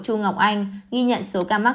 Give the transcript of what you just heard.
chu ngọc anh ghi nhận số ca mắc